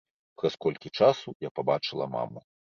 Праз колькі часу я пабачыла маму.